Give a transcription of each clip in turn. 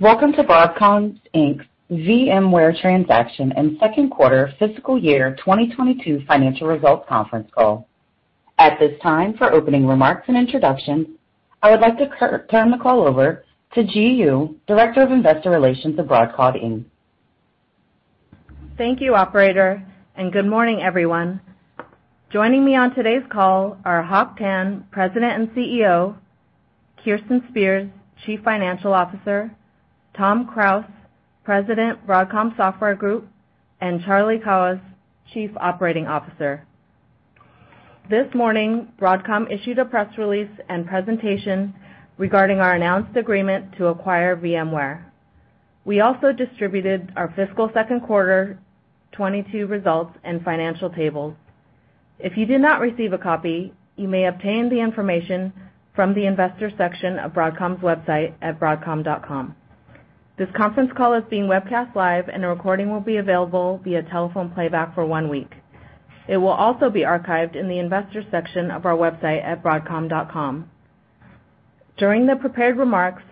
Welcome to Broadcom Inc's VMware Transaction and Second Quarter Fiscal Year 2022 Financial Results Conference Call. At this time, for opening remarks and introduction, I would like to turn the call over to Ji Yoo, Director of Investor Relations of Broadcom Inc. Thank you, operator, and good morning, everyone. Joining me on today's call are Hock Tan, President and CEO, Kirsten Spears, Chief Financial Officer, Tom Krause, President, Broadcom Software Group, and Charlie Kawwas, Chief Operating Officer. This morning, Broadcom issued a press release and presentation regarding our announced agreement to acquire VMware. We also distributed our fiscal second quarter 2022 results and financial tables. If you did not receive a copy, you may obtain the information from the investor section of Broadcom's website at broadcom.com. This conference call is being webcast live, and a recording will be available via telephone playback for one week. It will also be archived in the investor section of our website at broadcom.com. During the prepared remarks,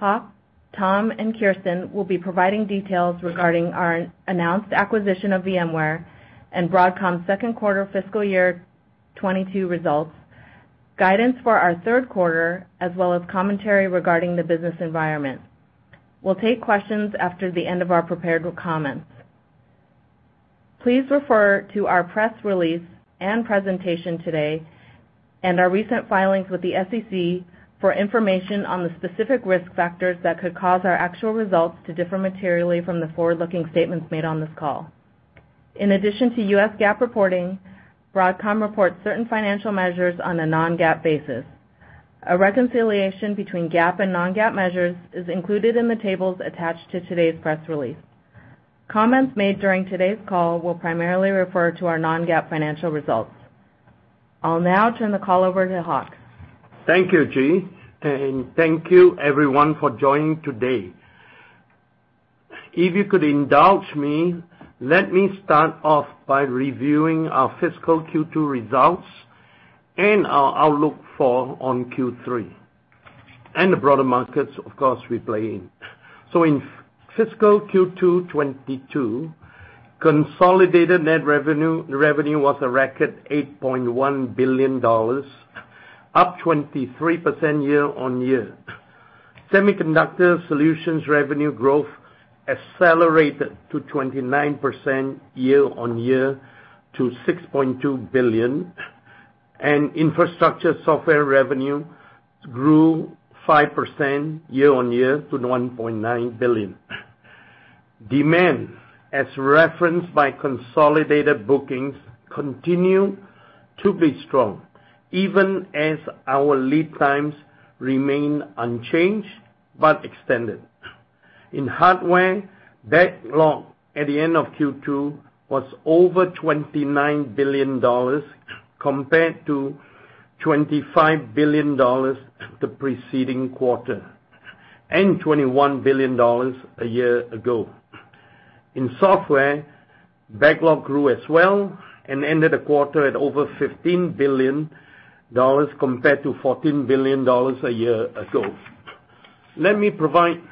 Hock, Tom, and Kirsten will be providing details regarding our announced acquisition of VMware and Broadcom's second quarter fiscal year 2022 results, guidance for our third quarter, as well as commentary regarding the business environment. We'll take questions after the end of our prepared comments. Please refer to our press release and presentation today and our recent filings with the SEC for information on the specific risk factors that could cause our actual results to differ materially from the forward-looking statements made on this call. In addition to U.S. GAAP reporting, Broadcom reports certain financial measures on a non-GAAP basis. A reconciliation between GAAP and non-GAAP measures is included in the tables attached to today's press release. Comments made during today's call will primarily refer to our non-GAAP financial results. I'll now turn the call over to Hock. Thank you, Ji, and thank you everyone for joining today. If you could indulge me, let me start off by reviewing our fiscal Q2 results and our outlook on Q3 and the broader markets, of course, we play in. In fiscal Q2 2022, consolidated net revenue was a record $8.1 billion, up 23% year-on-year. Semiconductor Solutions revenue growth accelerated to 29% year-on-year to $6.2 billion, and Infrastructure Software revenue grew 5% year-on-year to $1.9 billion. Demand, as referenced by consolidated bookings, continue to be strong, even as our lead times remain unchanged but extended. In hardware, backlog at the end of Q2 was over $29 billion compared to $25 billion the preceding quarter, and $21 billion a year ago. In software, backlog grew as well and ended the quarter at over $15 billion compared to $14 billion a year ago. Let me provide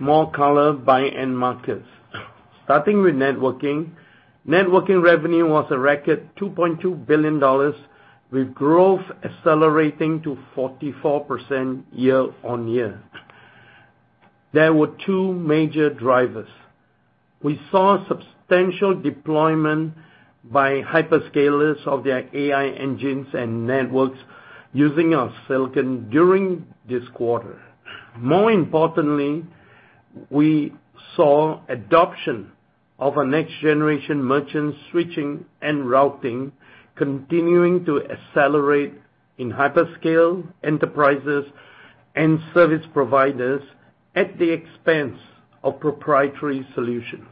more color by end markets. Starting with networking revenue was a record $2.2 billion, with growth accelerating to 44% year-over-year. There were two major drivers. We saw substantial deployment by hyperscalers of their AI engines and networks using our silicon during this quarter. More importantly, we saw adoption of our next-generation merchant switching and routing continuing to accelerate in hyperscale enterprises and service providers at the expense of proprietary solutions.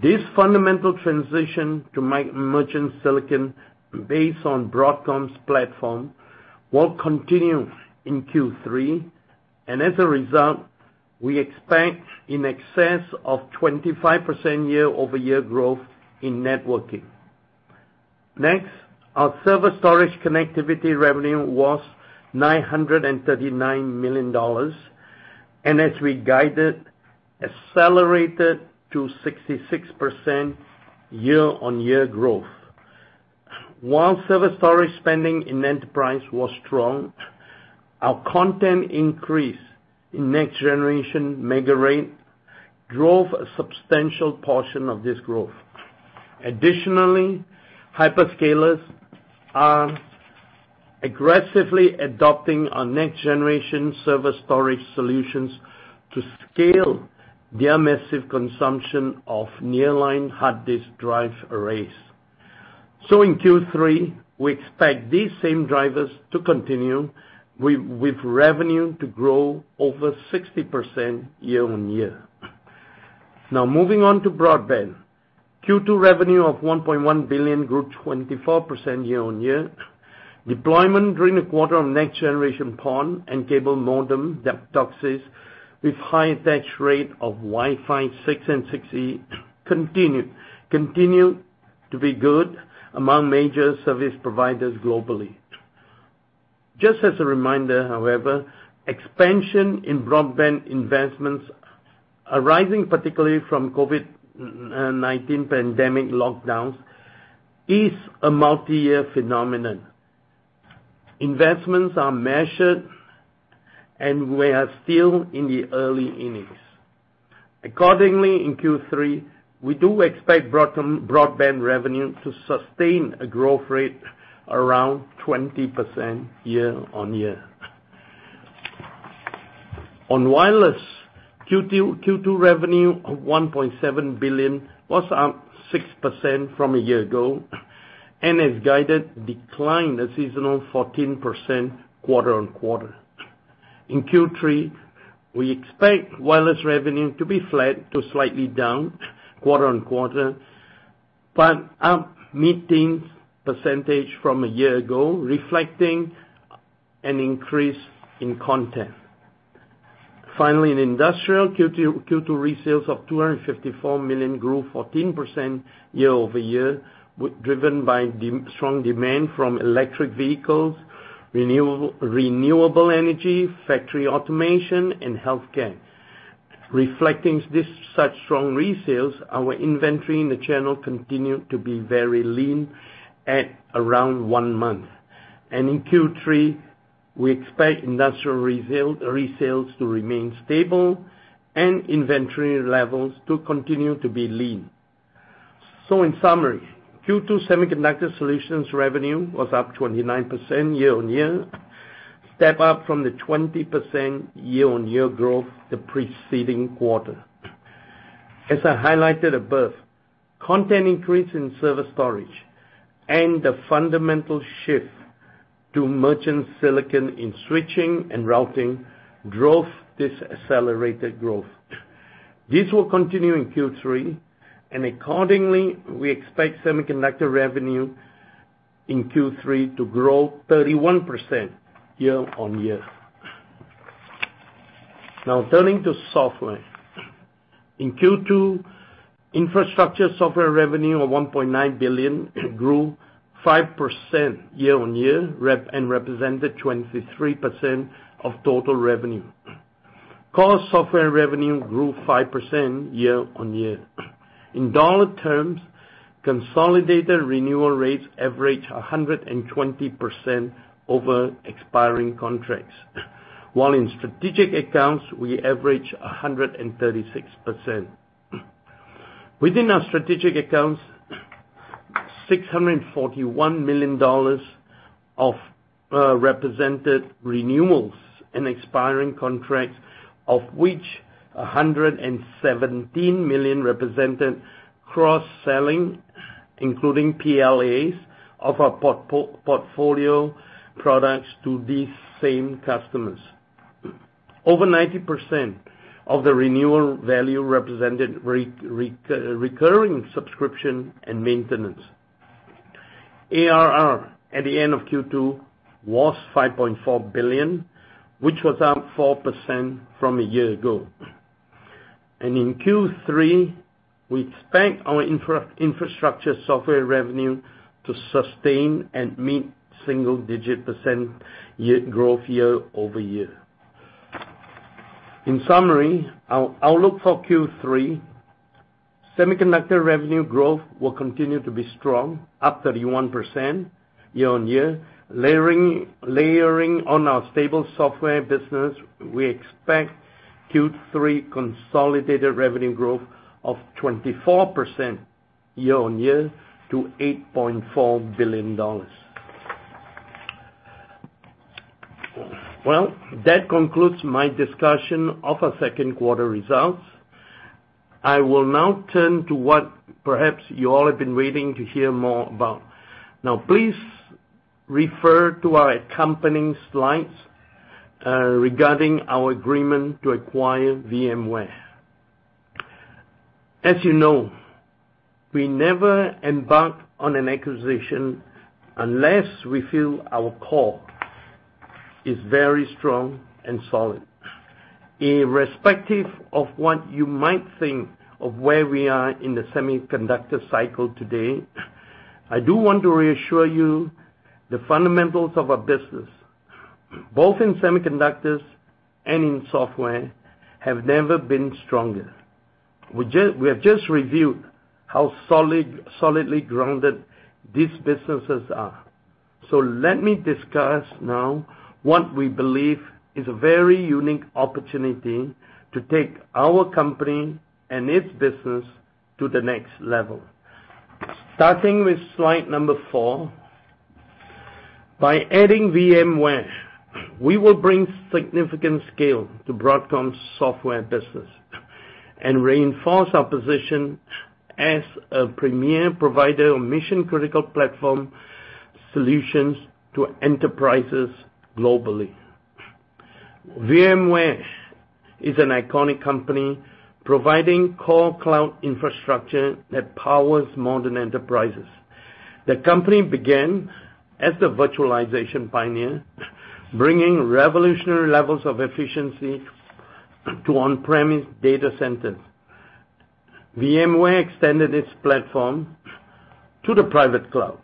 This fundamental transition to merchant silicon based on Broadcom's platform will continue in Q3. As a result, we expect in excess of 25% year-over-year growth in networking. Next, our server storage connectivity revenue was $939 million, and as we guided, accelerated to 66% year-on-year growth. While server storage spending in enterprise was strong, our controller increase in next-generation MegaRAID drove a substantial portion of this growth. Additionally, hyperscalers are aggressively adopting our next-generation server storage solutions to scale their massive consumption of nearline hard disk drive arrays. In Q3, we expect these same drivers to continue with revenue to grow over 60% year-on-year. Now moving on to broadband. Q2 revenue of $1.1 billion grew 24% year-on-year. Deployment during the quarter of next-generation PON and cable modem DOCSIS with high attach rate of Wi-Fi 6 and 6E continued to be good among major service providers globally. Just as a reminder, however, expansion in broadband investments arising particularly from COVID-19 pandemic lockdowns is a multi-year phenomenon. Investments are measured, and we are still in the early innings. Accordingly, in Q3, we do expect our broadband revenue to sustain a growth rate around 20% year-on-year. On wireless, Q2 revenue of $1.7 billion was up 6% from a year ago and has guided decline a seasonal 14% quarter-on-quarter. In Q3, we expect wireless revenue to be flat to slightly down quarter-on-quarter, but up mid-teens % from a year ago, reflecting an increase in content. Finally, in industrial, Q2 resales of $254 million grew 14% year-over-year, driven by strong demand from electric vehicles, renewable energy, factory automation, and healthcare. Reflecting this such strong resales, our inventory in the channel continued to be very lean at around one month. In Q3, we expect industrial resales to remain stable and inventory levels to continue to be lean. In summary, Q2 semiconductor solutions revenue was up 29% year-over-year, step up from the 20% year-over-year growth the preceding quarter. As I highlighted above, content increase in server storage and the fundamental shift to merchant silicon in switching and routing drove this accelerated growth. This will continue in Q3, and accordingly, we expect semiconductor revenue in Q3 to grow 31% year-over-year. Now turning to software. In Q2, infrastructure software revenue of $1.9 billion grew 5% year-on-year and represented 23% of total revenue. Core software revenue grew 5% year-on-year. In dollar terms, consolidated renewal rates averaged 120% over expiring contracts, while in strategic accounts we averaged 136%. Within our strategic accounts, $641 million represented renewals and expiring contracts, of which $117 million represented cross-selling, including PLAs of our portfolio products to these same customers. Over 90% of the renewal value represented recurring subscription and maintenance. ARR at the end of Q2 was $5.4 billion, which was up 4% from a year ago. In Q3, we expect our infrastructure software revenue to sustain and meet single-digit % year-over-year growth. In summary, our outlook for Q3, semiconductor revenue growth will continue to be strong, up 31% year-over-year. Layering on our stable software business, we expect Q3 consolidated revenue growth of 24% year-over-year to $8.4 billion. Well, that concludes my discussion of our second quarter results. I will now turn to what perhaps you all have been waiting to hear more about. Now please refer to our accompanying slides, regarding our agreement to acquire VMware. As you know, we never embark on an acquisition unless we feel our core is very strong and solid. Irrespective of what you might think of where we are in the semiconductor cycle today, I do want to reassure you the fundamentals of our business, both in semiconductors and in software, have never been stronger. We have just reviewed how solid, solidly grounded these businesses are. Let me discuss now what we believe is a very unique opportunity to take our company and its business to the next level. Starting with slide number four. By adding VMware, we will bring significant scale to Broadcom's software business and reinforce our position as a premier provider of mission-critical platform solutions to enterprises globally. VMware is an iconic company providing core cloud infrastructure that powers modern enterprises. The company began as the virtualization pioneer, bringing revolutionary levels of efficiency to on-premise data centers. VMware extended its platform to the private cloud,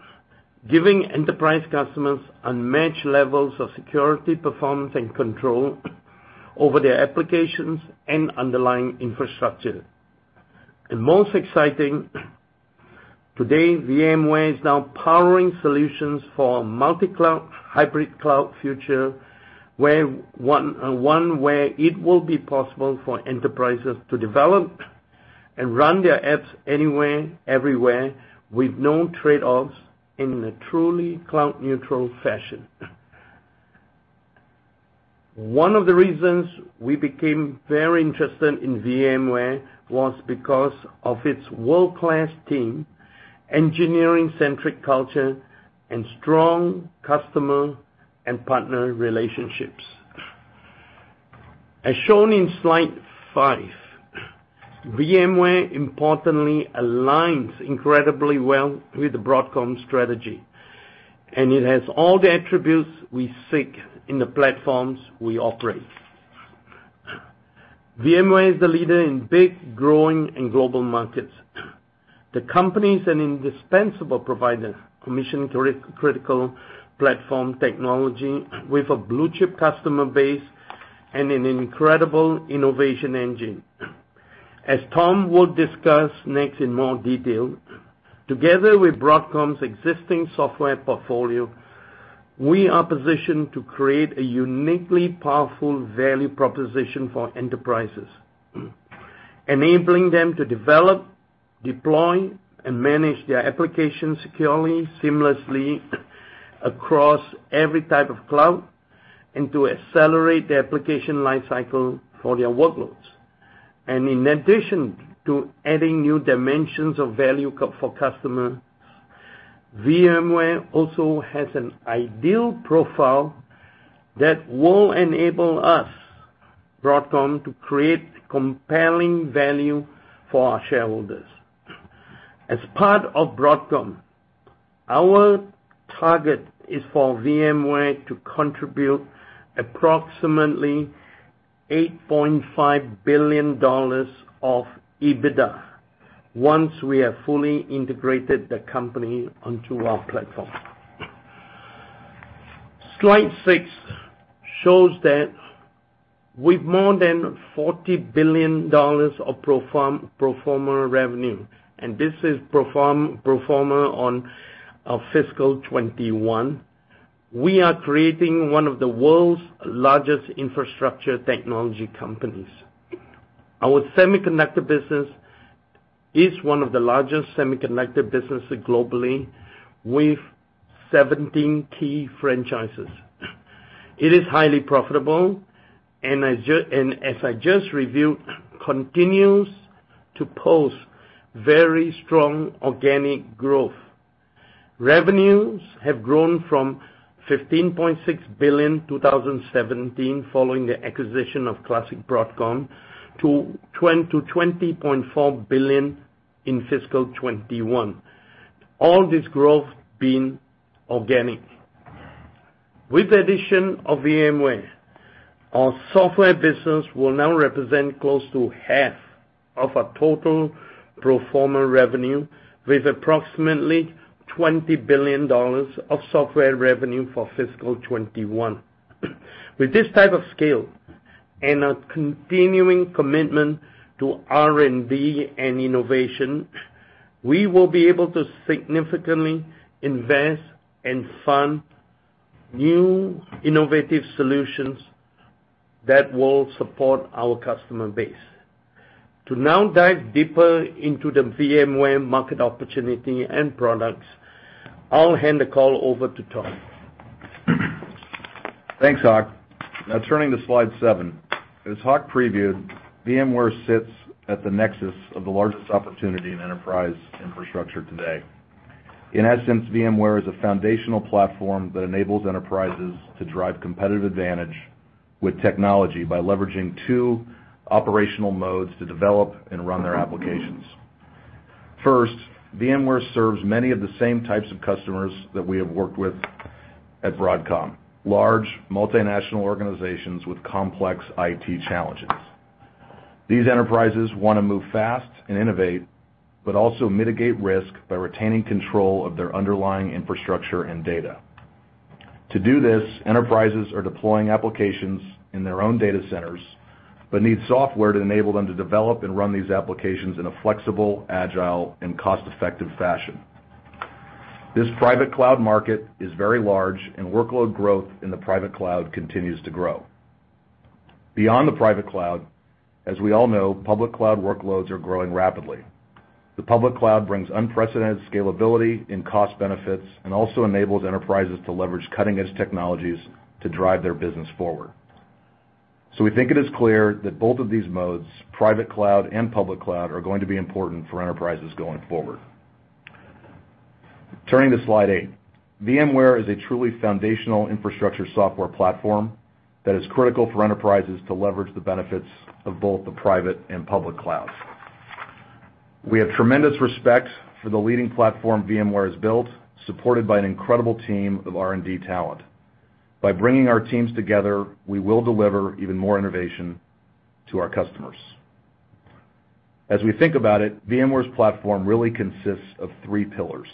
giving enterprise customers unmatched levels of security, performance, and control over their applications and underlying infrastructure. Most exciting, today, VMware is now powering solutions for multi-cloud, hybrid cloud future, where it will be possible for enterprises to develop and run their apps anywhere, everywhere with no trade-offs in a truly cloud neutral fashion. One of the reasons we became very interested in VMware was because of its world-class team, engineering centric culture, and strong customer and partner relationships. As shown in slide five, VMware importantly aligns incredibly well with the Broadcom strategy, and it has all the attributes we seek in the platforms we operate. VMware is the leader in big, growing, and global markets. The company is an indispensable provider of mission critical platform technology with a blue chip customer base and an incredible innovation engine. As Tom will discuss next in more detail, together with Broadcom's existing software portfolio, we are positioned to create a uniquely powerful value proposition for enterprises, enabling them to develop, deploy, and manage their application securely, seamlessly across every type of cloud, and to accelerate the application life cycle for their workloads. In addition to adding new dimensions of value for customers, VMware also has an ideal profile that will enable us, Broadcom, to create compelling value for our shareholders. As part of Broadcom, our target is for VMware to contribute approximately $8.5 billion of EBITDA once we have fully integrated the company onto our platform. Slide 6 shows that with more than $40 billion of pro forma revenue, and this is pro forma on fiscal 2021, we are creating one of the world's largest infrastructure technology companies. Our semiconductor business is one of the largest semiconductor businesses globally with 17 key franchises. It is highly profitable, and as I just reviewed, continues to post very strong organic growth. Revenues have grown from $15.6 billion, 2017 following the acquisition of classic Broadcom to $20.4 billion in fiscal 2021. All this growth being organic. With the addition of VMware, our software business will now represent close to half of our total pro forma revenue with approximately $20 billion of software revenue for fiscal 2021. With this type of scale and a continuing commitment to R&D and innovation, we will be able to significantly invest and fund new innovative solutions that will support our customer base. To now dive deeper into the VMware market opportunity and products, I'll hand the call over to Tom. Thanks, Hock. Now turning to slide seven. As Hock previewed, VMware sits at the nexus of the largest opportunity in enterprise infrastructure today. In essence, VMware is a foundational platform that enables enterprises to drive competitive advantage with technology by leveraging two operational modes to develop and run their applications. First, VMware serves many of the same types of customers that we have worked with at Broadcom, large multinational organizations with complex IT challenges. These enterprises wanna move fast and innovate, but also mitigate risk by retaining control of their underlying infrastructure and data. To do this, enterprises are deploying applications in their own data centers, but need software to enable them to develop and run these applications in a flexible, agile, and cost-effective fashion. This private cloud market is very large, and workload growth in the private cloud continues to grow. Beyond the private cloud, as we all know, public cloud workloads are growing rapidly. The public cloud brings unprecedented scalability and cost benefits and also enables enterprises to leverage cutting-edge technologies to drive their business forward. We think it is clear that both of these modes, private cloud and public cloud, are going to be important for enterprises going forward. Turning to slide eight. VMware is a truly foundational infrastructure software platform that is critical for enterprises to leverage the benefits of both the private and public clouds. We have tremendous respect for the leading platform VMware has built, supported by an incredible team of R&D talent. By bringing our teams together, we will deliver even more innovation to our customers. As we think about it, VMware's platform really consists of three pillars.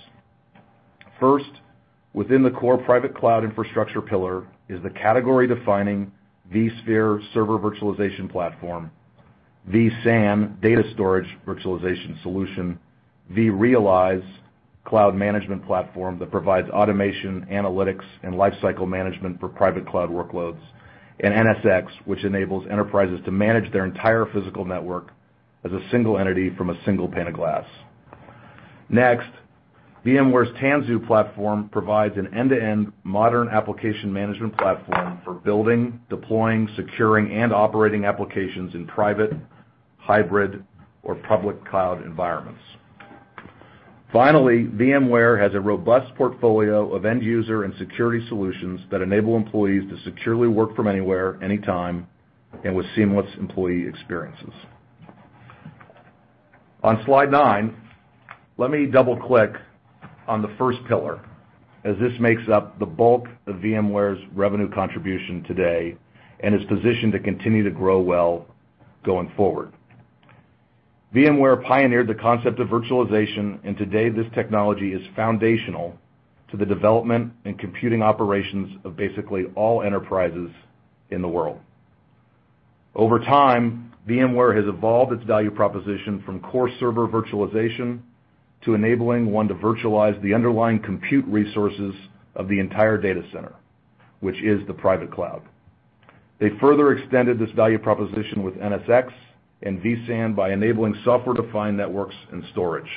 First, within the core private cloud infrastructure pillar is the category defining vSphere server virtualization platform, vSAN data storage virtualization solution, vRealize cloud management platform that provides automation, analytics, and lifecycle management for private cloud workloads, and NSX, which enables enterprises to manage their entire physical network as a single entity from a single pane of glass. Next, VMware's Tanzu platform provides an end-to-end modern application management platform for building, deploying, securing, and operating applications in private, hybrid, or public cloud environments. Finally, VMware has a robust portfolio of end user and security solutions that enable employees to securely work from anywhere, anytime, and with seamless employee experiences. On slide nine, let me double-click on the first pillar, as this makes up the bulk of VMware's revenue contribution today and is positioned to continue to grow well going forward. VMware pioneered the concept of virtualization, and today this technology is foundational to the development and computing operations of basically all enterprises in the world. Over time, VMware has evolved its value proposition from core server virtualization to enabling one to virtualize the underlying compute resources of the entire data center, which is the private cloud. They further extended this value proposition with NSX and vSAN by enabling software-defined networks and storage.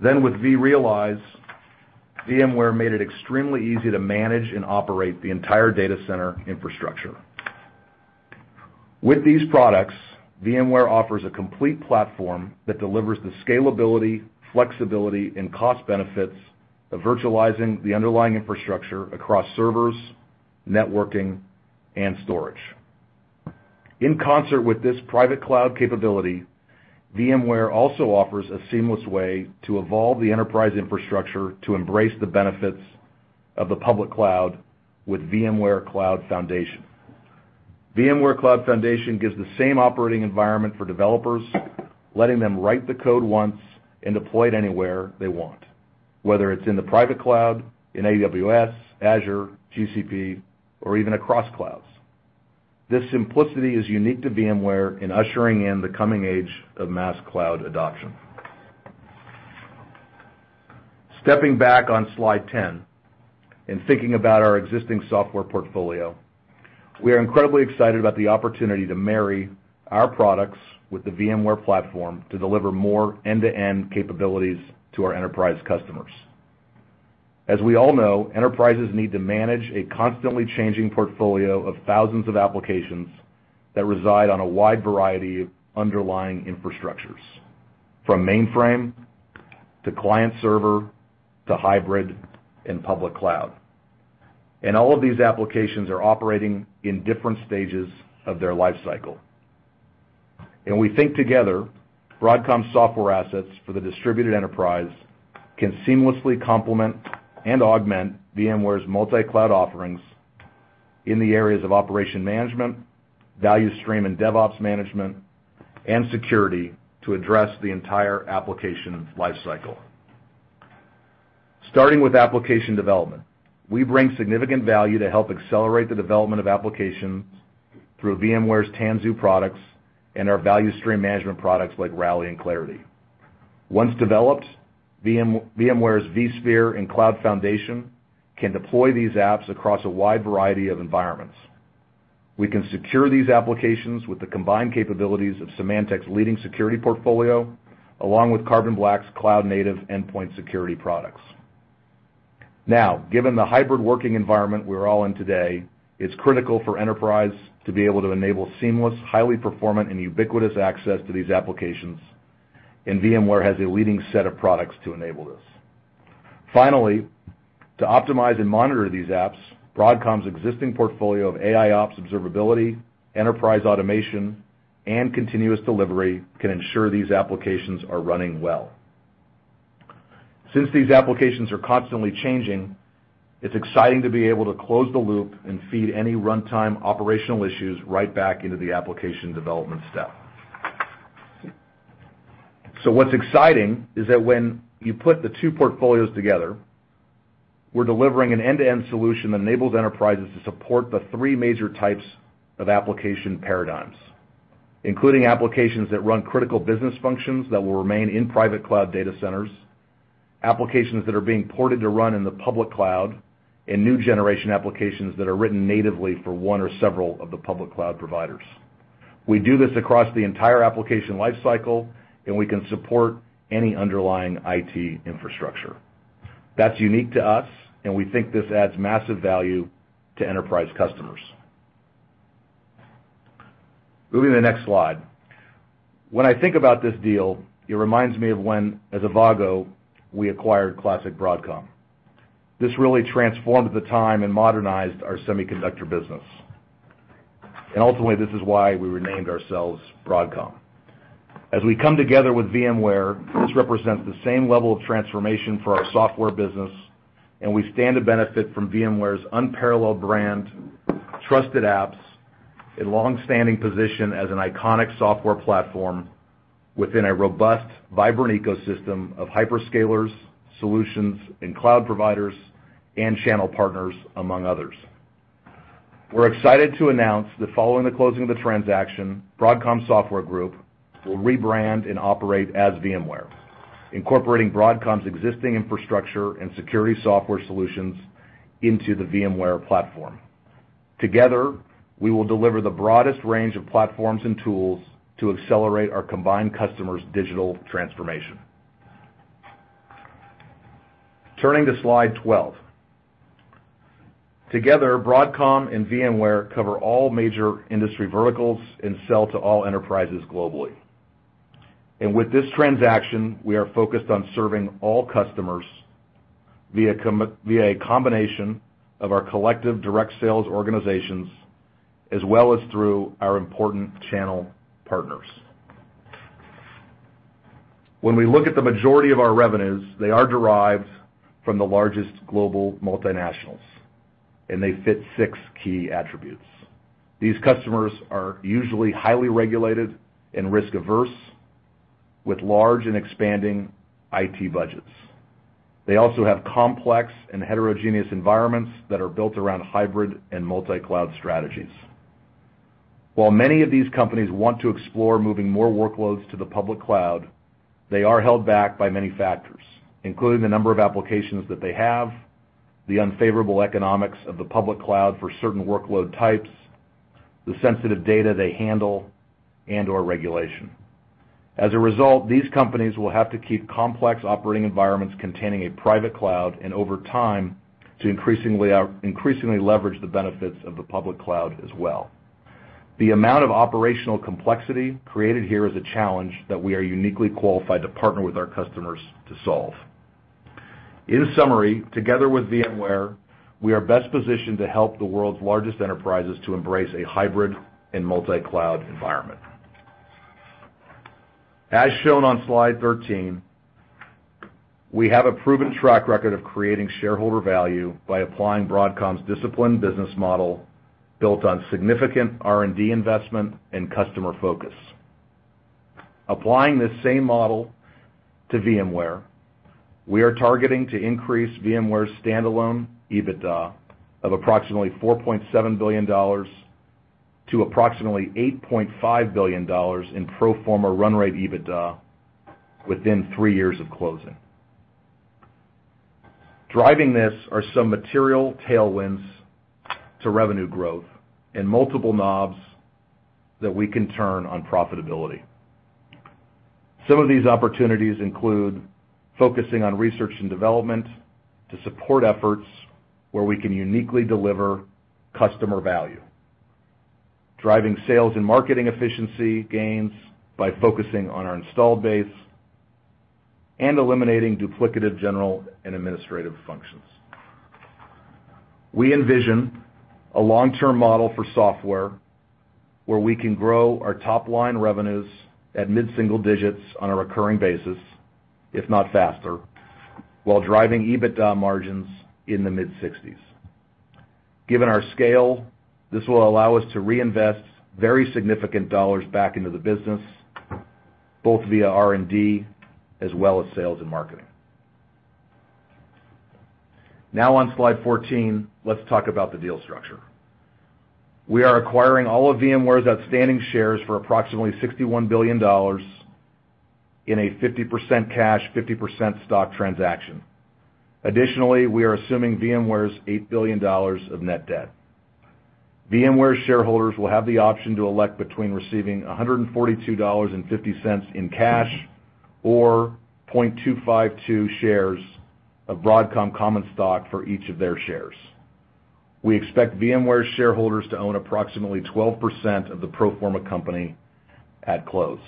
With vRealize, VMware made it extremely easy to manage and operate the entire data center infrastructure. With these products, VMware offers a complete platform that delivers the scalability, flexibility, and cost benefits of virtualizing the underlying infrastructure across servers, networking, and storage. In concert with this private cloud capability, VMware also offers a seamless way to evolve the enterprise infrastructure to embrace the benefits of the public cloud with VMware Cloud Foundation. VMware Cloud Foundation gives the same operating environment for developers, letting them write the code once and deploy it anywhere they want, whether it's in the private cloud, in AWS, Azure, GCP, or even across clouds. This simplicity is unique to VMware in ushering in the coming age of mass cloud adoption. Stepping back on slide 10 and thinking about our existing software portfolio, we are incredibly excited about the opportunity to marry our products with the VMware platform to deliver more end-to-end capabilities to our enterprise customers. As we all know, enterprises need to manage a constantly changing portfolio of thousands of applications that reside on a wide variety of underlying infrastructures, from mainframe, to client server, to hybrid and public cloud. All of these applications are operating in different stages of their life cycle. We think together, Broadcom's software assets for the distributed enterprise can seamlessly complement and augment VMware's multi-cloud offerings in the areas of operations management, value stream and DevOps management, and security to address the entire application life cycle. Starting with application development, we bring significant value to help accelerate the development of applications through VMware's Tanzu products and our value stream management products like Rally and Clarity. Once developed, VMware's vSphere and Cloud Foundation can deploy these apps across a wide variety of environments. We can secure these applications with the combined capabilities of Symantec's leading security portfolio, along with Carbon Black's cloud-native endpoint security products. Now, given the hybrid working environment we're all in today, it's critical for enterprise to be able to enable seamless, highly performant, and ubiquitous access to these applications, and VMware has a leading set of products to enable this. Finally, to optimize and monitor these apps, Broadcom's existing portfolio of AIOps observability, enterprise automation, and continuous delivery can ensure these applications are running well. Since these applications are constantly changing, it's exciting to be able to close the loop and feed any runtime operational issues right back into the application development step. What's exciting is that when you put the two portfolios together, we're delivering an end-to-end solution that enables enterprises to support the three major types of application paradigms, including applications that run critical business functions that will remain in private cloud data centers, applications that are being ported to run in the public cloud, and new generation applications that are written natively for one or several of the public cloud providers. We do this across the entire application life cycle, and we can support any underlying IT infrastructure. That's unique to us, and we think this adds massive value to enterprise customers. Moving to the next slide. When I think about this deal, it reminds me of when, as Avago, we acquired classic Broadcom. This really transformed at the time and modernized our semiconductor business. Ultimately, this is why we renamed ourselves Broadcom. As we come together with VMware, this represents the same level of transformation for our software business, and we stand to benefit from VMware's unparalleled brand, trusted apps, and longstanding position as an iconic software platform within a robust, vibrant ecosystem of hyperscalers, solutions, and cloud providers, and channel partners, among others. We're excited to announce that following the closing of the transaction, Broadcom Software Group will rebrand and operate as VMware, incorporating Broadcom's existing infrastructure and security software solutions into the VMware platform. Together, we will deliver the broadest range of platforms and tools to accelerate our combined customers' digital transformation. Turning to slide 12. Together, Broadcom and VMware cover all major industry verticals and sell to all enterprises globally. With this transaction, we are focused on serving all customers via a combination of our collective direct sales organizations as well as through our important channel partners. When we look at the majority of our revenues, they are derived from the largest global multinationals, and they fit six key attributes. These customers are usually highly regulated and risk-averse with large and expanding IT budgets. They also have complex and heterogeneous environments that are built around hybrid and multi-cloud strategies. While many of these companies want to explore moving more workloads to the public cloud, they are held back by many factors, including the number of applications that they have, the unfavorable economics of the public cloud for certain workload types, the sensitive data they handle, and/or regulation. As a result, these companies will have to keep complex operating environments containing a private cloud, and over time, to increasingly leverage the benefits of the public cloud as well. The amount of operational complexity created here is a challenge that we are uniquely qualified to partner with our customers to solve. In summary, together with VMware, we are best positioned to help the world's largest enterprises to embrace a hybrid and multi-cloud environment. As shown on slide 13, we have a proven track record of creating shareholder value by applying Broadcom's disciplined business model built on significant R&D investment and customer focus. Applying this same model to VMware, we are targeting to increase VMware's standalone EBITDA of approximately $4.7 billion to approximately $8.5 billion in pro forma run rate EBITDA within 3 years of closing. Driving this are some material tailwinds to revenue growth and multiple knobs that we can turn on profitability. Some of these opportunities include focusing on research and development to support efforts where we can uniquely deliver customer value, driving sales and marketing efficiency gains by focusing on our installed base, and eliminating duplicative general and administrative functions. We envision a long-term model for software where we can grow our top-line revenues at mid-single digits% on a recurring basis, if not faster, while driving EBITDA margins in the mid-60s%. Given our scale, this will allow us to reinvest very significant dollars back into the business, both via R&D as well as sales and marketing. Now on slide 14, let's talk about the deal structure. We are acquiring all of VMware's outstanding shares for approximately $61 billion in a 50% cash, 50% stock transaction. Additionally, we are assuming VMware's $8 billion of net debt. VMware shareholders will have the option to elect between receiving $142.50 in cash or 0.252 shares of Broadcom common stock for each of their shares. We expect VMware shareholders to own approximately 12% of the pro forma company at close.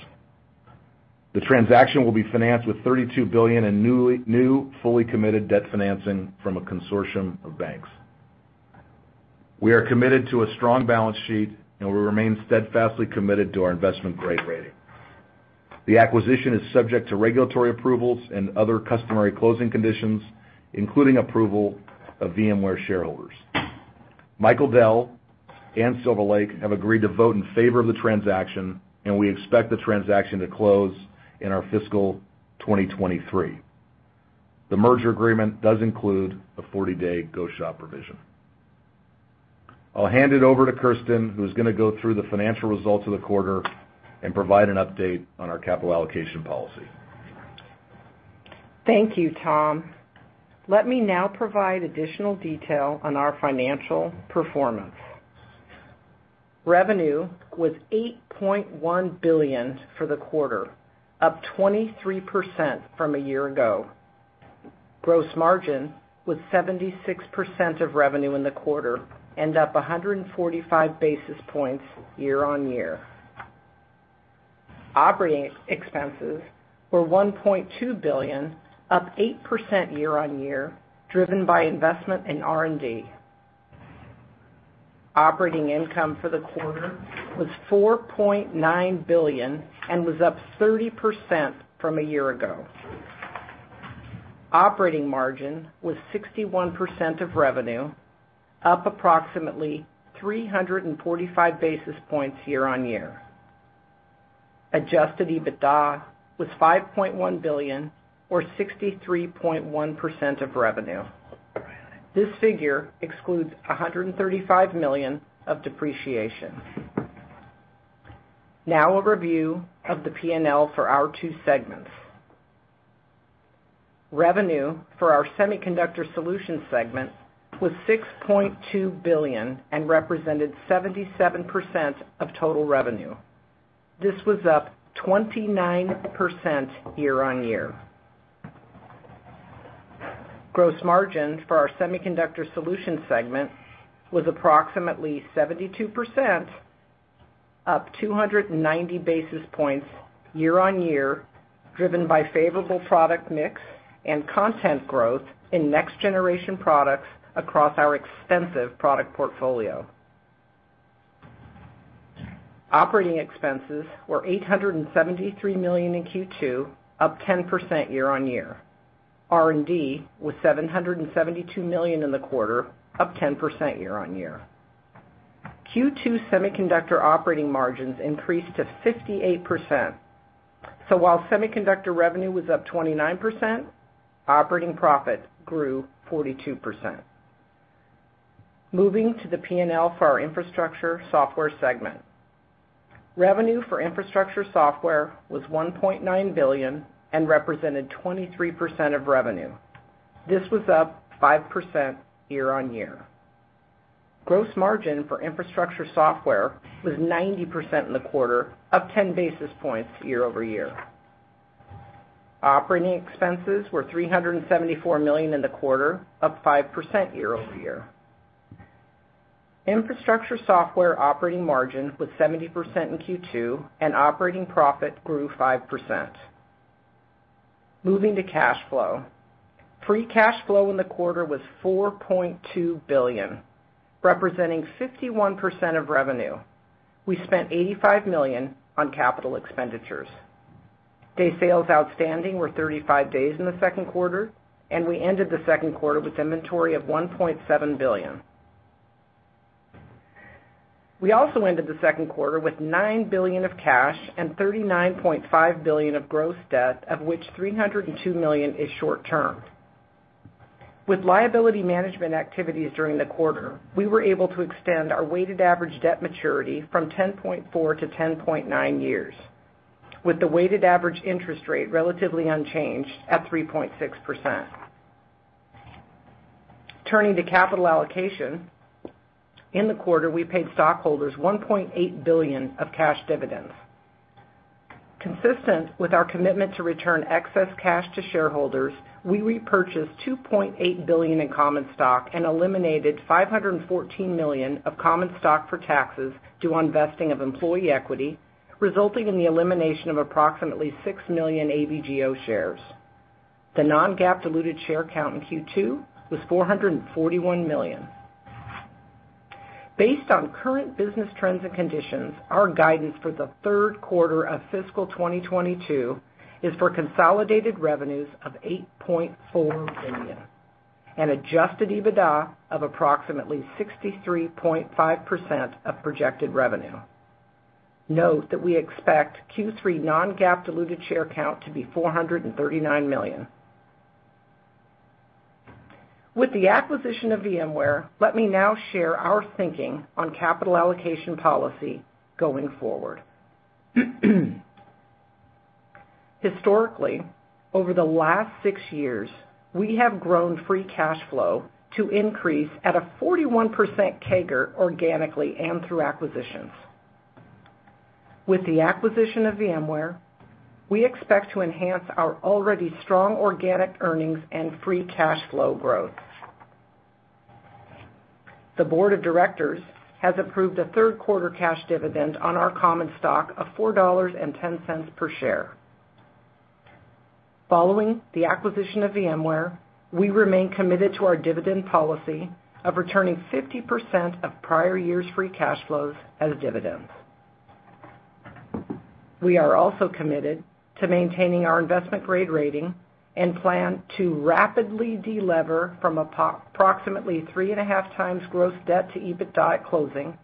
The transaction will be financed with $32 billion in new, fully committed debt financing from a consortium of banks. We are committed to a strong balance sheet, and we remain steadfastly committed to our investment-grade rating. The acquisition is subject to regulatory approvals and other customary closing conditions, including approval of VMware shareholders. Michael Dell and Silver Lake have agreed to vote in favor of the transaction, and we expect the transaction to close in our fiscal 2023. The merger agreement does include a 40-day go-shop provision. I'll hand it over to Kirsten, who's gonna go through the financial results of the quarter and provide an update on our capital allocation policy. Thank you, Tom. Let me now provide additional detail on our financial performance. Revenue was $8.1 billion for the quarter, up 23% from a year ago. Gross margin was 76% of revenue in the quarter and up 145 basis points year on year. Operating expenses were $1.2 billion, up 8% year on year, driven by investment in R&D. Operating income for the quarter was $4.9 billion and was up 30% from a year ago. Operating margin was 61% of revenue, up approximately 345 basis points year on year. Adjusted EBITDA was $5.1 billion or 63.1% of revenue. This figure excludes $135 million of depreciation. Now a review of the P&L for our two segments. Revenue for our semiconductor solutions segment was $6.2 billion and represented 77% of total revenue. This was up 29% year-over-year. Gross margin for our semiconductor solutions segment was approximately 72%, up 290 basis points year-over-year, driven by favorable product mix and content growth in next-generation products across our extensive product portfolio. Operating expenses were $873 million in Q2, up 10% year-over-year. R&D was $772 million in the quarter, up 10% year-over-year. Q2 semiconductor operating margins increased to 58%. While semiconductor revenue was up 29%, operating profit grew 42%. Moving to the P&L for our infrastructure software segment. Revenue for infrastructure software was $1.9 billion and represented 23% of revenue. This was up 5% year-over-year. Gross margin for infrastructure software was 90% in the quarter, up 10 basis points year-over-year. Operating expenses were $374 million in the quarter, up 5% year-over-year. Infrastructure Software operating margin was 70% in Q2, and operating profit grew 5%. Moving to cash flow. Free cash flow in the quarter was $4.2 billion, representing 51% of revenue. We spent $85 million on capital expenditures. Day sales outstanding were 35 days in the second quarter, and we ended the second quarter with inventory of $1.7 billion. We also ended the second quarter with $9 billion of cash and $39.5 billion of gross debt, of which $302 million is short-term. With liability management activities during the quarter, we were able to extend our weighted average debt maturity from 10.4 to 10.9 years, with the weighted average interest rate relatively unchanged at 3.6%. Turning to capital allocation. In the quarter, we paid stockholders $1.8 billion of cash dividends. Consistent with our commitment to return excess cash to shareholders, we repurchased $2.8 billion in common stock and eliminated $514 million of common stock for taxes due on vesting of employee equity, resulting in the elimination of approximately 6 million AVGO shares. The non-GAAP diluted share count in Q2 was 441 million. Based on current business trends and conditions, our guidance for the third quarter of fiscal 2022 is for consolidated revenues of $8.4 billion and adjusted EBITDA of approximately 63.5% of projected revenue. Note that we expect Q3 non-GAAP diluted share count to be 439 million. With the acquisition of VMware, let me now share our thinking on capital allocation policy going forward. Historically, over the last six years, we have grown free cash flow to increase at a 41% CAGR organically and through acquisitions. With the acquisition of VMware, we expect to enhance our already strong organic earnings and free cash flow growth. The board of directors has approved a third quarter cash dividend on our common stock of $4.10 per share. Following the acquisition of VMware, we remain committed to our dividend policy of returning 50% of prior year's free cash flows as dividends. We are also committed to maintaining our investment-grade rating and plan to rapidly de-lever from approximately 3.5x gross debt to EBITDA at closing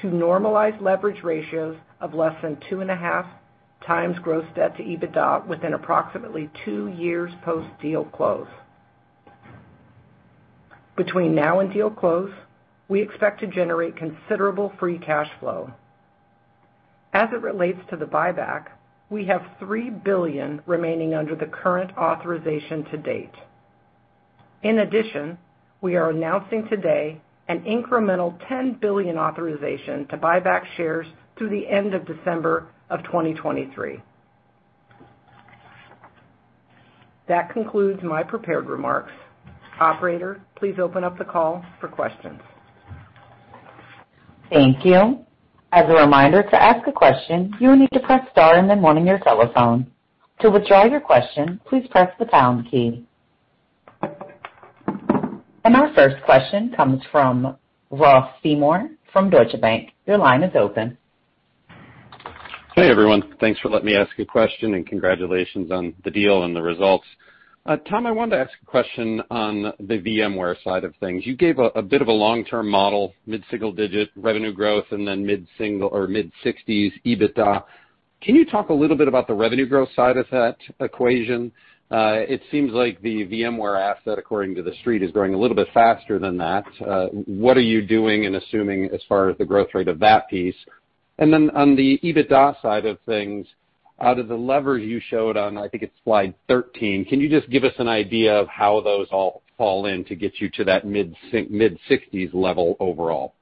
to normalized leverage ratios of less than 2.5x gross debt to EBITDA within approximately two years post deal close. Between now and deal close, we expect to generate considerable free cash flow. As it relates to the buyback, we have $3 billion remaining under the current authorization to date. In addition, we are announcing today an incremental $10 billion authorization to buy back shares through the end of December 2023. That concludes my prepared remarks. Operator, please open up the call for questions. Thank you. As a reminder, to ask a question, you will need to press star and then one on your telephone. To withdraw your question, please press the pound key. Our first question comes from Ross Seymore from Deutsche Bank. Your line is open. Hey, everyone. Thanks for letting me ask a question and congratulations on the deal and the results. Tom, I wanted to ask a question on the VMware side of things. You gave a bit of a long-term model, mid-single digit revenue growth, and then mid-single or mid-60s EBITDA. Can you talk a little bit about the revenue growth side of that equation? It seems like the VMware asset, according to the street, is growing a little bit faster than that. What are you doing and assuming as far as the growth rate of that piece? And then on the EBITDA side of things, out of the levers you showed on, I think it's slide 13, can you just give us an idea of how those all fall in to get you to that mid-single, mid-sixties level overall?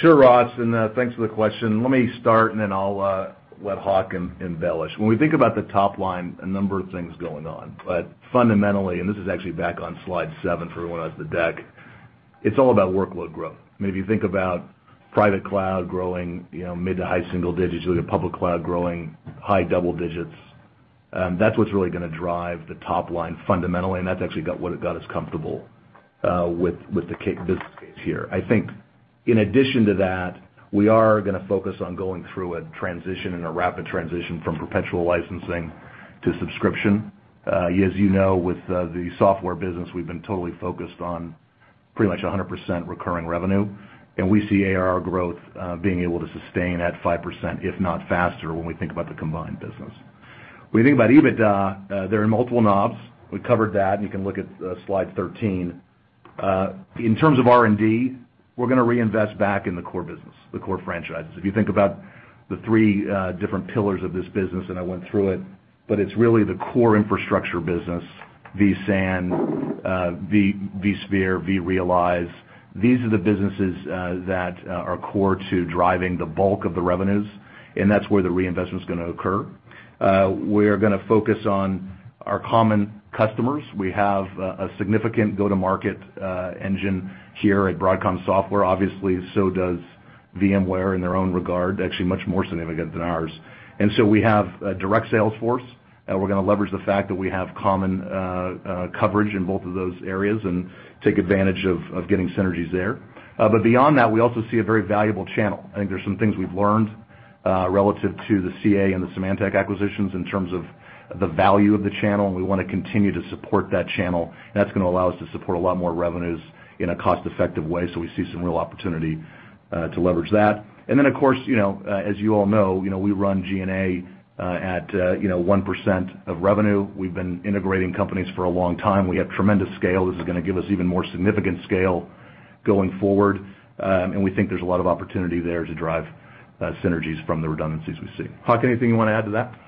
Sure, Ross, thanks for the question. Let me start, and then I'll let Hock embellish. When we think about the top line, a number of things going on. Fundamentally, and this is actually back on slide seven for anyone who has the deck, it's all about workload growth. I mean, if you think about private cloud growing mid- to high-single digits, you look at public cloud growing high-double digits, that's what's really gonna drive the top line fundamentally, and that's actually what got us comfortable with the business case here. I think in addition to that, we are gonna focus on going through a transition and a rapid transition from perpetual licensing to subscription. As you know, with the software business, we've been totally focused on pretty much 100% recurring revenue, and we see ARR growth being able to sustain at 5%, if not faster, when we think about the combined business. When you think about EBITDA, there are multiple knobs. We covered that, and you can look at slide 13. In terms of R&D, we're gonna reinvest back in the core business, the core franchises. If you think about the three different pillars of this business, and I went through it, but it's really the core infrastructure business, vSAN, vSphere, vRealize. These are the businesses that are core to driving the bulk of the revenues, and that's where the reinvestment's gonna occur. We're gonna focus on our common customers. We have a significant go-to-market engine here at Broadcom Software. Obviously, so does VMware in their own regard, actually much more significant than ours. We have a direct sales force. We're gonna leverage the fact that we have common coverage in both of those areas and take advantage of getting synergies there. Beyond that, we also see a very valuable channel. I think there's some things we've learned relative to the CA and the Symantec acquisitions in terms of the value of the channel, and we wanna continue to support that channel. That's gonna allow us to support a lot more revenues in a cost-effective way, so we see some real opportunity to leverage that. Of course, you know, as you all know, you know, we run G&A at you know, 1% of revenue. We've been integrating companies for a long time. We have tremendous scale. This is gonna give us even more significant scale going forward, and we think there's a lot of opportunity there to drive synergies from the redundancies we see. Hock, anything you wanna add to that?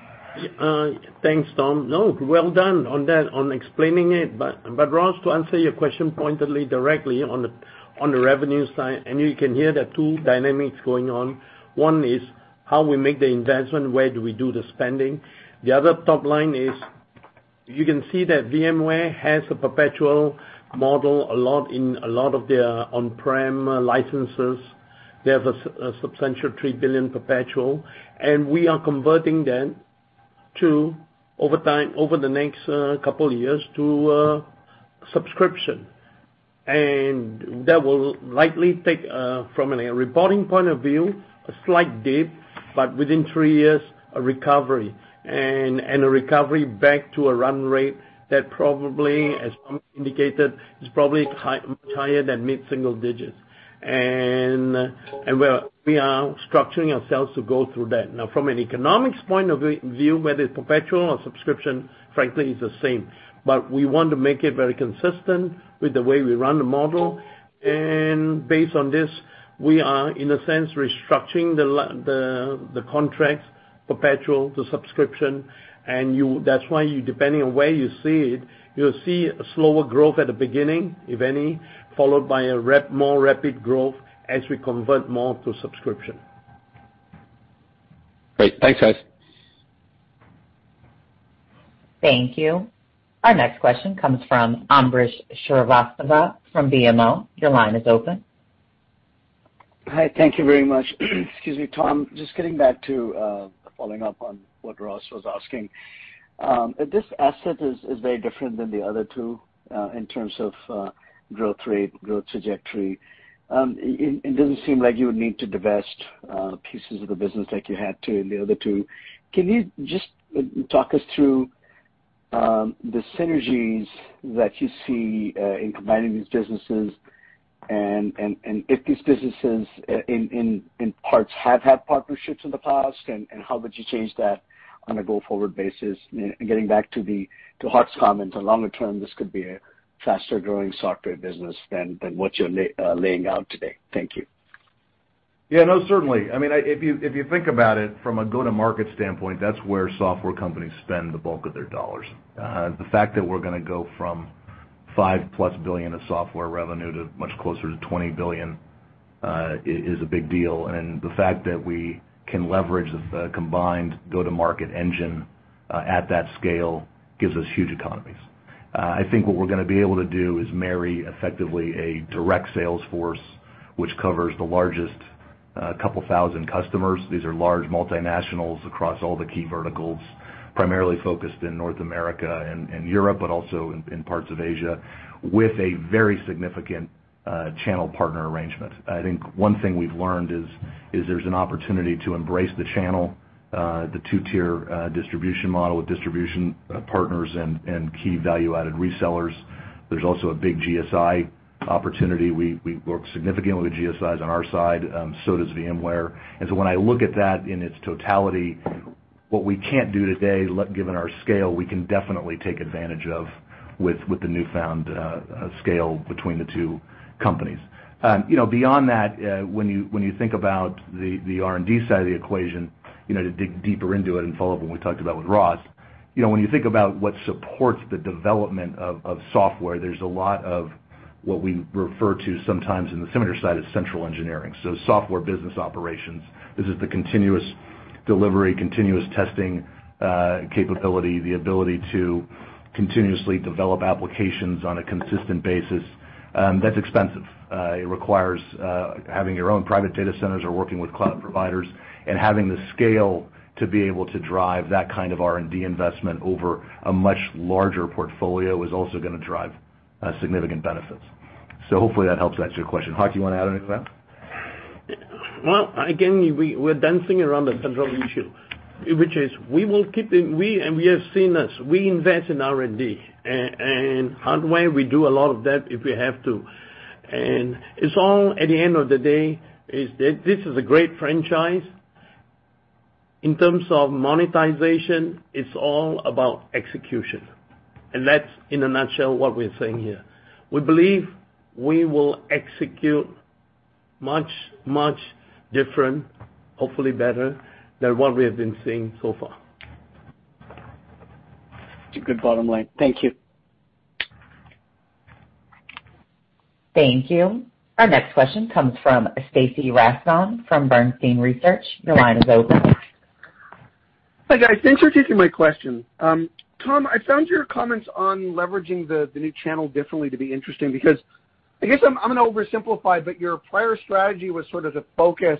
Thanks, Tom. Well done on that, on explaining it. Ross, to answer your question pointedly directly on the revenue side, and you can hear the two dynamics going on. One is how we make the investment, where do we do the spending. The other top line is you can see that VMware has a perpetual model a lot of their on-prem licenses. They have a substantial $3 billion perpetual, and we are converting that to over time, over the next couple of years to a subscription. That will likely take, from a reporting point of view, a slight dip, but within three years, a recovery, and a recovery back to a run rate that probably, as Tom indicated, is probably much higher than mid-single digits%. We are structuring ourselves to go through that. Now from an economics point of view, whether it's perpetual or subscription, frankly is the same. We want to make it very consistent with the way we run the model. Based on this, we are, in a sense, restructuring the contracts perpetual to subscription. That's why, depending on where you see it, you'll see a slower growth at the beginning, if any, followed by more rapid growth as we convert more to subscription. Great. Thanks, guys. Thank you. Our next question comes from Ambrish Srivastava from BMO. Your line is open. Hi, thank you very much. Excuse me, Tom. Just getting back to following up on what Ross was asking. This asset is very different than the other two in terms of growth rate, growth trajectory. It doesn't seem like you would need to divest pieces of the business like you had to in the other two. Can you just talk us through the synergies that you see in combining these businesses? If these businesses in parts have had partnerships in the past, and how would you change that on a go-forward basis? Getting back to Hock's comment, longer term, this could be a faster-growing software business than what you're laying out today. Thank you. Yeah, no, certainly. I mean, if you think about it from a go-to-market standpoint, that's where software companies spend the bulk of their dollars. The fact that we're gonna go from $5+ billion of software revenue to much closer to $20 billion is a big deal. The fact that we can leverage the combined go-to-market engine at that scale gives us huge economies. I think what we're gonna be able to do is marry effectively a direct sales force, which covers the largest couple thousand customers. These are large multinationals across all the key verticals, primarily focused in North America and Europe, but also in parts of Asia, with a very significant channel partner arrangement. I think one thing we've learned is there's an opportunity to embrace the channel, the two-tier distribution model with distribution partners and key value-added resellers. There's also a big GSI opportunity. We work significantly with GSIs on our side, so does VMware. When I look at that in its totality, what we can't do today, given our scale, we can definitely take advantage of with the newfound scale between the two companies. You know, beyond that, when you think about the R&D side of the equation, you know, to dig deeper into it and follow up what we talked about with Ross. You know, when you think about what supports the development of software, there's a lot of what we refer to sometimes in the Symantec side as central engineering. Software business operations. This is the continuous delivery, continuous testing, capability, the ability to continuously develop applications on a consistent basis, that's expensive. It requires having your own private data centers or working with cloud providers and having the scale to be able to drive that kind of R&D investment over a much larger portfolio is also gonna drive significant benefits. Hopefully that helps answer your question. Hock, do you wanna add anything to that? Well, again, we're dancing around the central issue, which is we will keep—we, and we have seen this, we invest in R&D and hardware, we do a lot of that if we have to. It's all, at the end of the day, is that this is a great franchise. In terms of monetization, it's all about execution. That's in a nutshell what we're saying here. We believe we will execute much, much different, hopefully better than what we have been seeing so far. That's a good bottom line. Thank you. Thank you. Our next question comes from Stacy Rasgon from Bernstein Research. Your line is open. Hi, guys. Thanks for taking my question. Tom, I found your comments on leveraging the new channel differently to be interesting because I guess I'm gonna oversimplify, but your prior strategy was sort of to focus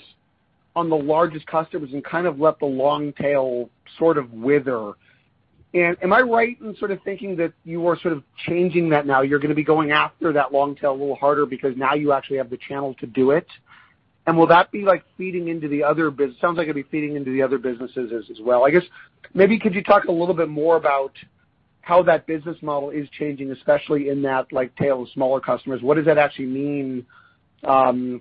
on the largest customers and kind of let the long tail sort of wither. Am I right in sort of thinking that you are sort of changing that now? You're gonna be going after that long tail a little harder because now you actually have the channel to do it? Will that be like feeding into the other businesses as well? Sounds like it'd be feeding into the other businesses as well. I guess maybe could you talk a little bit more about how that business model is changing, especially in that like tail of smaller customers. What does that actually mean,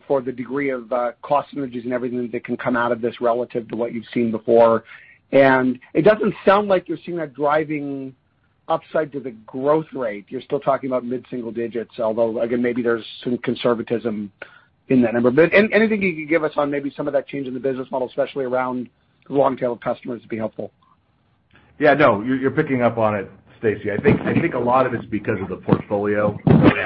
for the degree of, cost synergies and everything that can come out of this relative to what you've seen before? It doesn't sound like you're seeing that driving upside to the growth rate. You're still talking about mid-single digits, although, again, maybe there's some conservatism in that number. Anything you could give us on maybe some of that change in the business model, especially around the long tail of customers would be helpful. Yeah, no, you're picking up on it, Stacy. I think a lot of it's because of the portfolio. Stacy,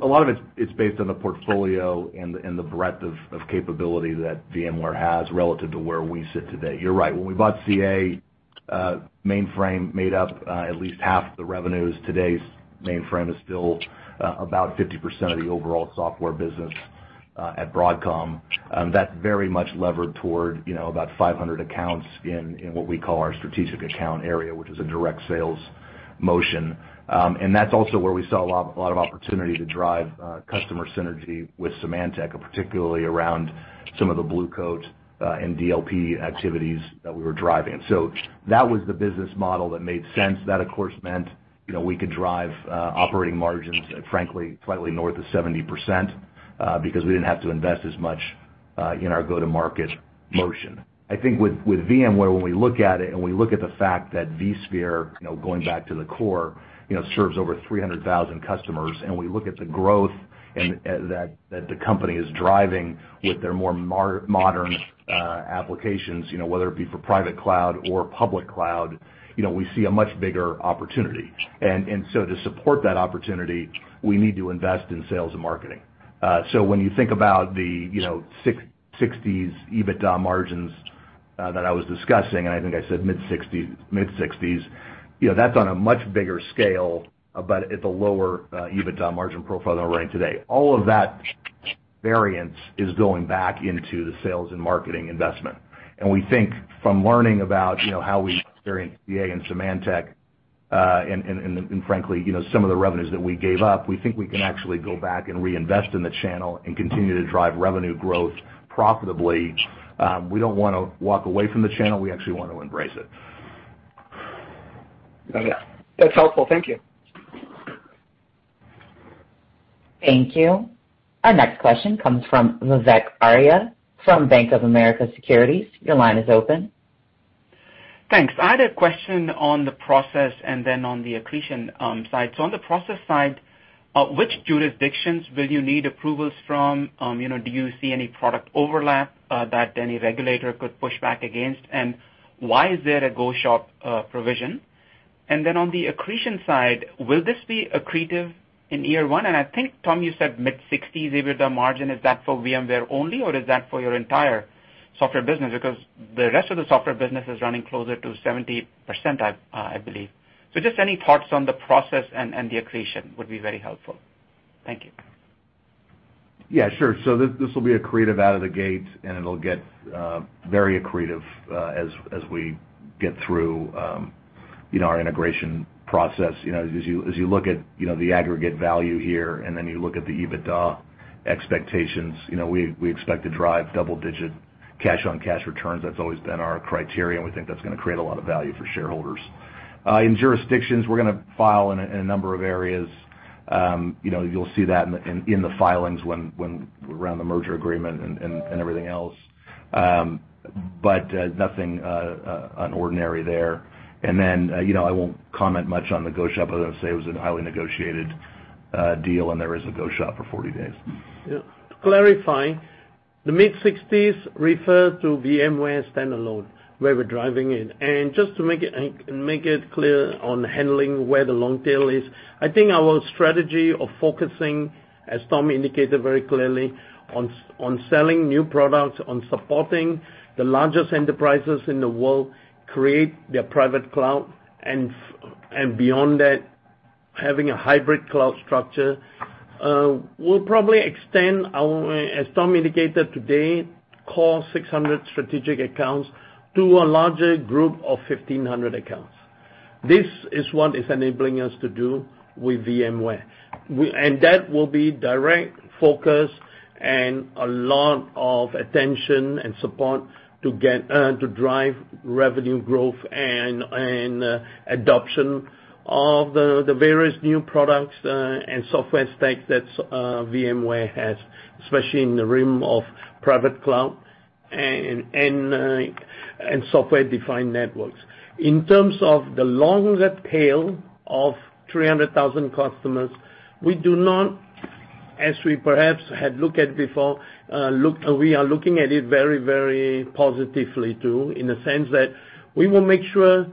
a lot of it's based on the portfolio and the breadth of capability that VMware has relative to where we sit today. You're right. When we bought CA, mainframe made up at least half the revenues. Today's mainframe is still about 50% of the overall software business at Broadcom. That's very much levered toward, you know, about 500 accounts in what we call our strategic account area, which is a direct sales motion. That's also where we saw a lot of opportunity to drive customer synergy with Symantec, and particularly around some of the Blue Coat and DLP activities that we were driving. That was the business model that made sense. That, of course, meant, you know, we could drive operating margins frankly, slightly north of 70%, because we didn't have to invest as much in our go-to-market motion. I think with VMware, when we look at it and we look at the fact that vSphere, you know, going back to the core, you know, serves over 300,000 customers, and we look at the growth and that the company is driving with their more modern applications, you know, whether it be for private cloud or public cloud, you know, we see a much bigger opportunity. To support that opportunity, we need to invest in sales and marketing. When you think about the, you know, mid-60s% EBITDA margins that I was discussing, and I think I said mid-60s%, you know, that's on a much bigger scale, but at the lower EBITDA margin profile than we're running today. All of that variance is going back into the sales and marketing investment. We think from learning about, you know, how we experienced CA and Symantec and frankly, you know, some of the revenues that we gave up, we think we can actually go back and reinvest in the channel and continue to drive revenue growth profitably. We don't wanna walk away from the channel, we actually want to embrace it. Okay. That's helpful. Thank you. Thank you. Our next question comes from Vivek Arya from Bank of America Securities. Your line is open. Thanks. I had a question on the process and then on the accretion side. On the process side, which jurisdictions will you need approvals from? You know, do you see any product overlap that any regulator could push back against? Why is there a go-shop provision? On the accretion side, will this be accretive in year one? I think, Tom, you said mid-60s EBITDA margin. Is that for VMware only, or is that for your entire software business? Because the rest of the software business is running closer to 70%, I believe. Just any thoughts on the process and the accretion would be very helpful. Thank you. Yeah, sure. This will be accretive out of the gate, and it'll get very accretive as we get through you know, our integration process. You know, as you look at you know, the aggregate value here, and then you look at the EBITDA expectations, you know, we expect to drive double-digit cash-on-cash returns. That's always been our criteria, and we think that's gonna create a lot of value for shareholders. In a number of jurisdictions, we're gonna file. You know, you'll see that in the filings when we run the merger agreement and everything else. Nothing out of the ordinary there. You know, I won't comment much on the go-shop other than to say it was a highly negotiated deal and there is a go-shop for 40 days. Yeah. To clarify, the mid-60s refer to VMware standalone, where we're driving it. Just to make it clear on handling where the long tail is, I think our strategy of focusing, as Tom indicated very clearly, on selling new products, on supporting the largest enterprises in the world create their private cloud and beyond that, having a hybrid cloud structure, will probably extend our, as Tom indicated today, core 600 strategic accounts to a larger group of 1,500 accounts. This is what is enabling us to do with VMware. That will be direct focus and a lot of attention and support to get to drive revenue growth and adoption of the various new products and software stacks that VMware has, especially in the realm of private cloud and software-defined networks. In terms of the longer tail of 300,000 customers, we do not, as we perhaps had looked at before, we are looking at it very, very positively too, in the sense that we will make sure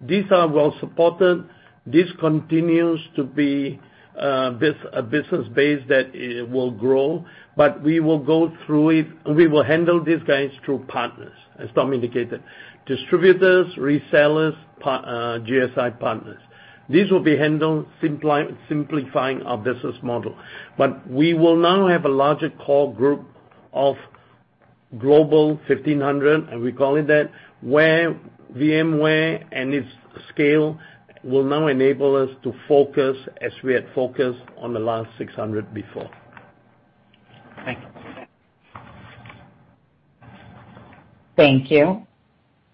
these are well supported. This continues to be a business base that will grow, but we will go through it. We will handle these guys through partners, as Tom indicated. Distributors, resellers, GSI partners. This will be handled simplifying our business model. We will now have a larger core group of global 1,500, and we call it that, where VMware and its scale will now enable us to focus as we had focused on the last 600 before. Thank you. Thank you.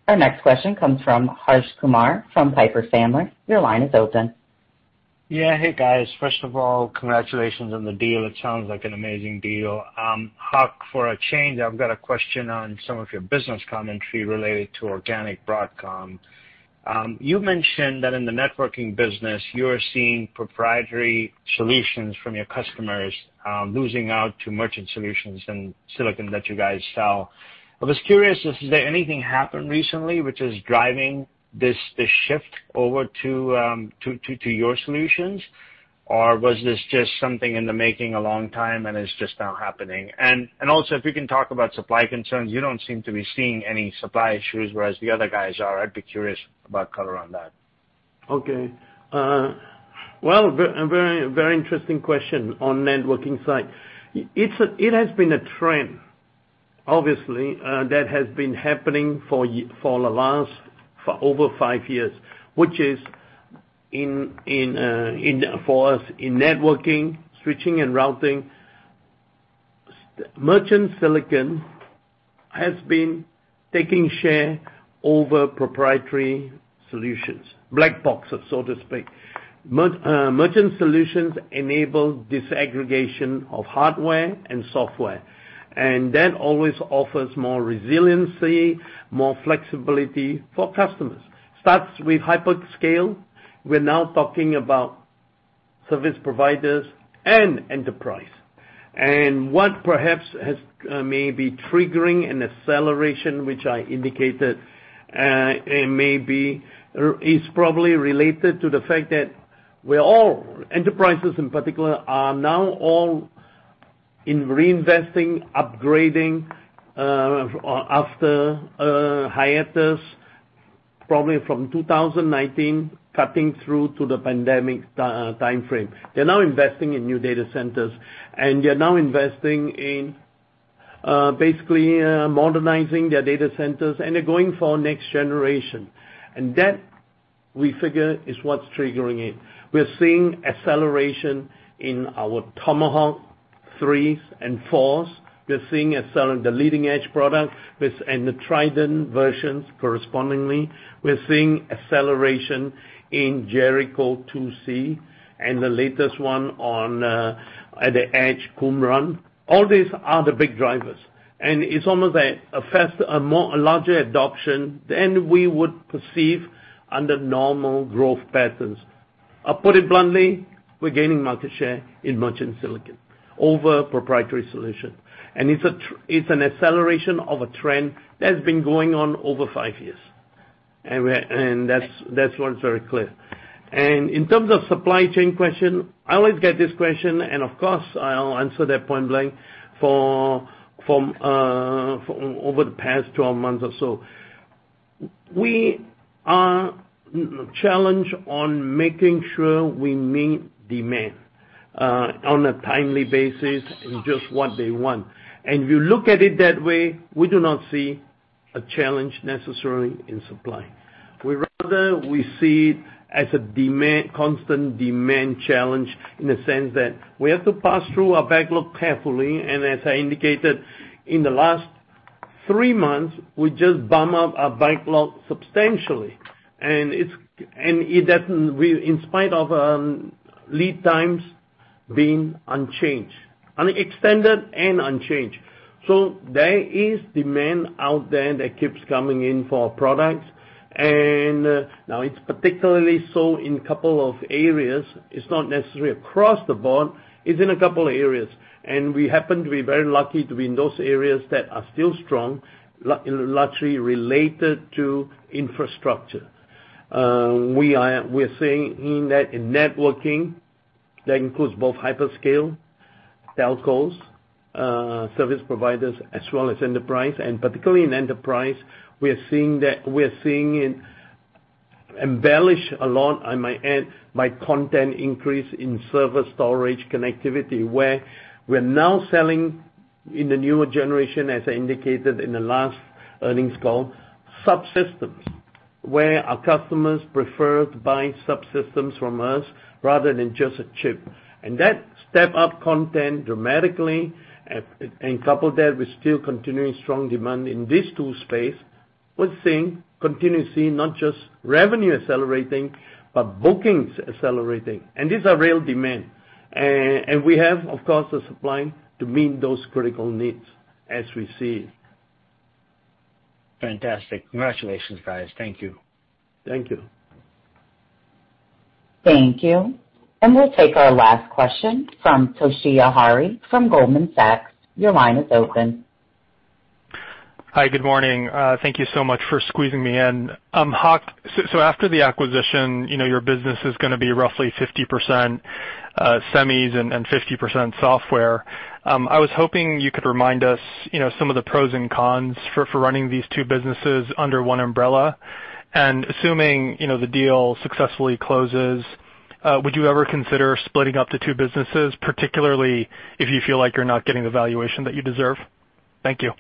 Our next question comes from Harsh Kumar from Piper Sandler. Your line is open. Yeah. Hey, guys. First of all, congratulations on the deal. It sounds like an amazing deal. Hock, for a change, I've got a question on some of your business commentary related to organic Broadcom. You mentioned that in the networking business, you are seeing proprietary solutions from your customers losing out to merchant solutions and silicon that you guys sell. I was curious if is there anything happened recently which is driving this shift over to your solutions? Or was this just something in the making a long time and it's just now happening? Also if you can talk about supply concerns, you don't seem to be seeing any supply issues, whereas the other guys are. I'd be curious about color on that. Well, a very interesting question on networking side. It has been a trend, obviously, that has been happening for over five years, which is, for us in networking, switching and routing, merchant silicon has been taking share over proprietary solutions, black boxes, so to speak. Merchant solutions enable disaggregation of hardware and software, and that always offers more resiliency, more flexibility for customers. It starts with hyperscale. We're now talking about service providers and enterprise. What perhaps may be triggering an acceleration, which I indicated, it may be, is probably related to the fact that we're all, enterprises in particular, are now all in reinvesting, upgrading after a hiatus probably from 2019 cutting through to the pandemic timeframe. They're now investing in new data centers, and they're now investing in, basically, modernizing their data centers, and they're going for next generation. That, we figure, is what's triggering it. We're seeing acceleration in our Tomahawk 3s and 4s. We're seeing acceleration in the leading edge product and the Trident versions correspondingly. We're seeing acceleration in Jericho 2C and the latest one at the edge Qumran. All these are the big drivers, and it's almost a faster, larger adoption than we would perceive under normal growth patterns. I'll put it bluntly, we're gaining market share in merchant silicon over proprietary solution. It's an acceleration of a trend that's been going on over five years. That's what's very clear. In terms of supply chain question, I always get this question, and of course, I'll answer that point blank from over the past 12 months or so. We are challenged on making sure we meet demand on a timely basis in just what they want. If you look at it that way, we do not see a challenge necessarily in supply. We rather see it as a demand, constant demand challenge in the sense that we have to pass through our backlog carefully, and as I indicated, in the last 3 months, we just bump up our backlog substantially. It's in spite of lead times being unchanged. I mean, extended and unchanged. There is demand out there that keeps coming in for our products. Now it's particularly so in a couple of areas. It's not necessarily across the board. It's in a couple of areas. We happen to be very lucky to be in those areas that are still strong, largely related to infrastructure. We're seeing in networking, that includes both hyperscale, telcos, service providers, as well as enterprise. Particularly in enterprise, we are seeing it excel a lot, I might add, by content increase in server storage connectivity, where we're now selling in the newer generation, as I indicated in the last earnings call, subsystems, where our customers prefer to buy subsystems from us rather than just a chip. That step up content dramatically, and couple that with still continuing strong demand in these two spaces, we continue to see not just revenue accelerating, but bookings accelerating. These are real demand. We have, of course, the supply to meet those critical needs as we see it. Fantastic. Congratulations, guys. Thank you. Thank you. Thank you. We'll take our last question from Toshiya Hari from Goldman Sachs. Your line is open. Hi, good morning. Thank you so much for squeezing me in. Hock, so after the acquisition, you know, your business is gonna be roughly 50% semis and 50% software. I was hoping you could remind us, you know, some of the pros and cons for running these two businesses under one umbrella. Assuming, you know, the deal successfully closes, would you ever consider splitting up the two businesses, particularly if you feel like you're not getting the valuation that you deserve? Thank you.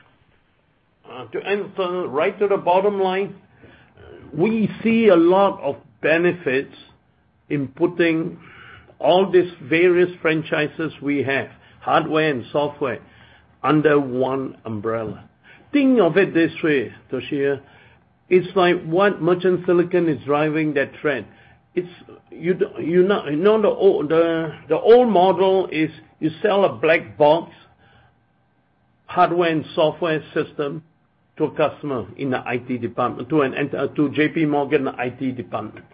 To answer right to the bottom line, we see a lot of benefits in putting all these various franchises we have, hardware and software, under one umbrella. Think of it this way, Toshiya. It's like what merchant silicon is driving that trend. It's you know, the old model is you sell a black box hardware and software system to a customer in the IT department, to JPMorgan IT department.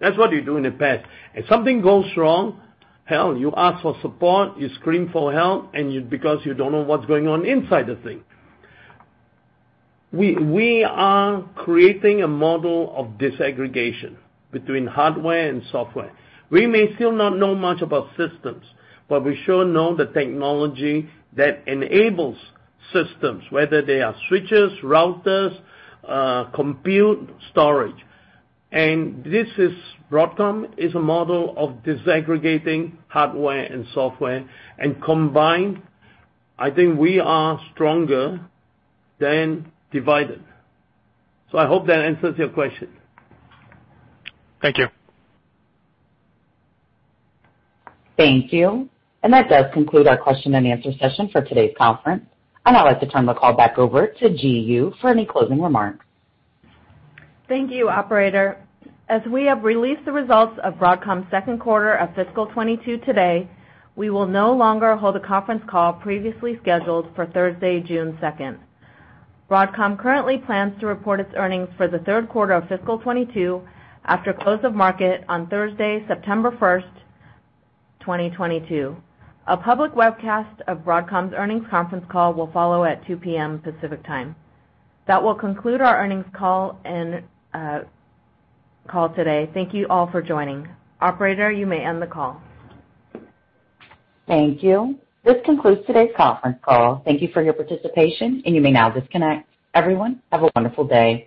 That's what you do in the past. If something goes wrong, hell, you ask for support, you scream for help, and because you don't know what's going on inside the thing. We are creating a model of disaggregation between hardware and software. We may still not know much about systems, but we sure know the technology that enables systems, whether they are switches, routers, compute storage. This is Broadcom is a model of disaggregating hardware and software. Combined, I think we are stronger than divided. I hope that answers your question. Thank you. Thank you. That does conclude our question-and-answer session for today's conference. I'd now like to turn the call back over to Ji Yoo for any closing remarks. Thank you, operator. As we have released the results of Broadcom's Second Quarter of Fiscal 2022 today, we will no longer hold a conference call previously scheduled for Thursday, June 2nd. Broadcom currently plans to report its earnings for the third quarter of fiscal 2022 after close of market on Thursday, September 1st, 2022. A public webcast of Broadcom's earnings conference call will follow at 2:00 P.M. Pacific Time. That will conclude our earnings call and call today. Thank you all for joining. Operator, you may end the call. Thank you. This concludes today's conference call. Thank you for your participation, and you may now disconnect. Everyone, have a wonderful day.